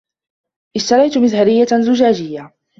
إشتريتُ مزهريةً زجاجيةً.